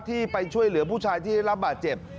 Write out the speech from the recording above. ที่ไปช่วยเหลือผู้ชายที่ได้รับบาดเจ็บ